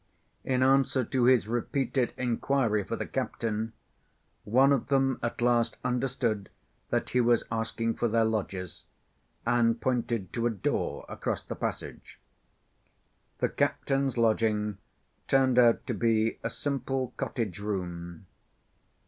In answer to his repeated inquiry for the captain, one of them at last understood that he was asking for their lodgers, and pointed to a door across the passage. The captain's lodging turned out to be a simple cottage room.